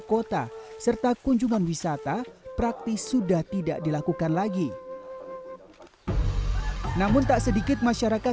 kota serta kunjungan wisata praktis sudah tidak dilakukan lagi namun tak sedikit masyarakat